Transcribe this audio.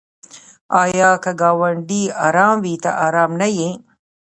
آیا که ګاونډی ارام وي ته ارام نه یې؟